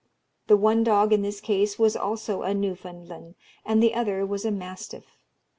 The one dog in this case was also a Newfoundland, and the other was a mastiff.